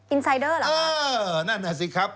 อินไซเดอร์เหรอคะเออนั่นแหละสิครับ